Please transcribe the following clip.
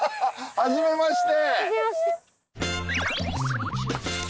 はじめまして。